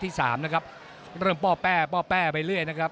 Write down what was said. สามนะครับเริ่มป้อแป้ป้อแป้ไปเรื่อยนะครับ